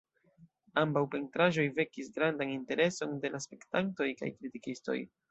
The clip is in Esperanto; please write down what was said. Ambaŭ pentraĵoj vekis grandan intereson de la spektantoj kaj kritikistoj.